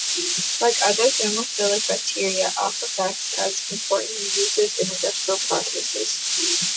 Like other thermophilic bacteria, "Aquifex" has important uses in industrial processes.